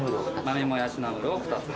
豆もやしナムルを２つ。